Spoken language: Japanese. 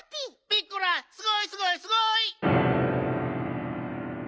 ピッコラすごいすごいすごい！